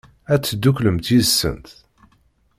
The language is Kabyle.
Ad tedduklemt yid-sent?